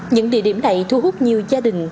những địa điểm này thu hút nhiều gia đình